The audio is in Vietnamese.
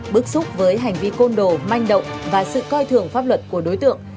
bức xúc với hành vi côn đồ manh động và sự coi thường pháp luật của đối tượng